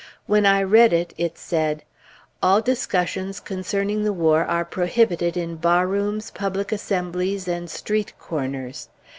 When I read it, it said, "All discussions concerning the war are prohibited in bar rooms, public assemblies, and street corners."